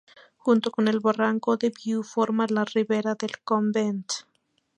Junto con el barranco de Viu forma la Rivera del Convent.